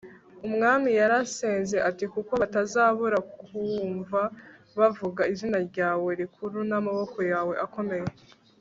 umwami yarasenze ati kuko batazabura kumva bavuga izina ryawe rikuru n'amaboko yawe akomeye